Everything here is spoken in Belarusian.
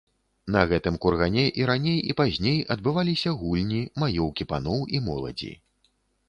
На гэтым кургане і раней і пазней адбываліся гульні, маёўкі паноў і моладзі.